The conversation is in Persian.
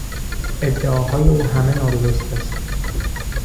ادعاهای او همه نادرست است.